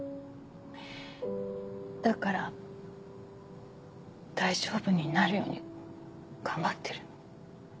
だから大丈夫になるように頑張ってる。